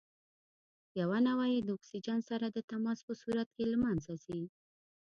یوه نوعه یې د اکسیجن سره د تماس په صورت کې له منځه ځي.